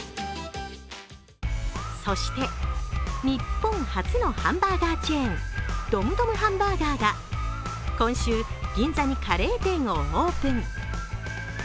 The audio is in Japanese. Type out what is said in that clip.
そして日本初のハンバーガーチェーンドムドムハンバーガーが今週、銀座にカレー店をオープン。